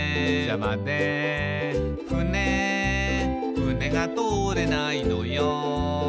「ふねふねが通れないのよ」